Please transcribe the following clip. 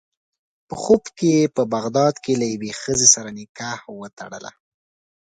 په خوب کې یې په بغداد کې له یوې ښځې سره نکاح وتړله.